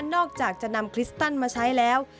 นอกจากจะนำคริสตันมาใช้แล้ว